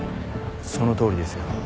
そのとおりですよ。